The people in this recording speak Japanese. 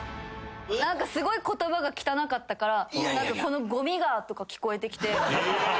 何かすごい言葉が汚かったから。とか聞こえてきて。